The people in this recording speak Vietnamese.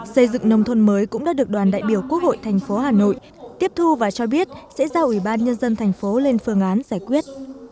xây dựng nông thôn mới cũng đã được đoàn đại biểu quốc hội thành phố hà nội tiếp thu và cho biết sẽ giao ủy ban nhân dân thành phố lên phương án giải quyết